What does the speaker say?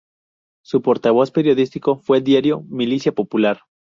Su portavoz periodístico fue el diario "Milicia Popular".